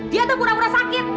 dia tuh pura pura sakit